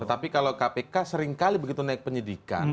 tetapi kalau kpk seringkali begitu naik penyidikan